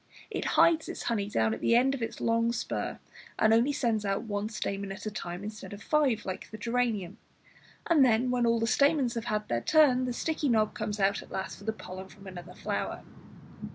It hides its honey down at the end of its long spur, and only sends out one stamen at a time instead of five like the geranium; and then, when all the stamens have had their turn, the sticky knob comes out last for pollen from another flower.